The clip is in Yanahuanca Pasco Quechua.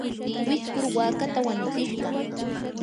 wiskur waakata wanutsishqa.